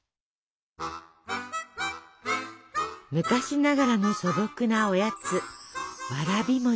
昔ながらの素朴なおやつわらび餅。